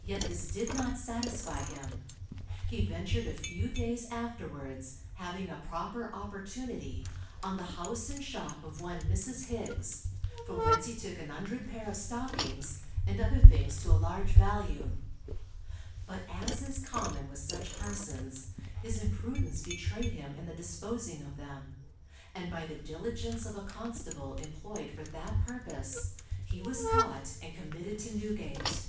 Yet this did not satisfy him. He ventured a few days afterwards having a proper opportunity, on the house and shop of one Mrs. Higgs, from whence he took an hundred pair of stockings, and other things to a large value. But as is common with such persons, his imprudence betrayed him in the disposing of them, and by the diligence of a constable employed for that purpose, he was caught and committed to Newgate.